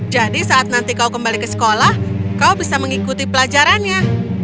jadi saat nanti kau kembali ke sekolah kau bisa mengikuti pelajarannya